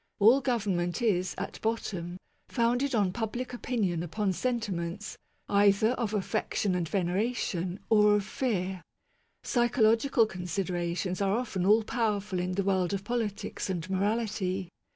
All government is, at bottom, founded on public opinion upon sentiments either of affection and veneration or of fear. Psycho logical considerations are often all powerful in the world of politics and morality.